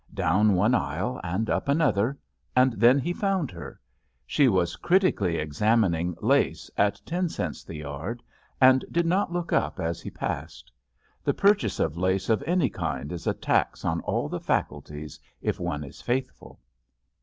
Down one aisle and up another ; and then he found her. She was critically examining lace at ten JUST SWEETHEARTS cents the yard and did not look up as he passed. The purchase of lace of any kind is a tax on all the faculties if one is faithful.